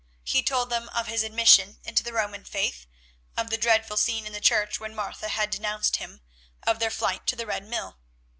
He told them of his admission into the Roman faith, of the dreadful scene in the church when Martha had denounced him, of their flight to the Red Mill.